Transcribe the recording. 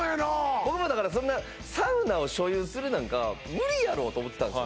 僕もサウナを所有するなんか無理やろうと思ってたんですよ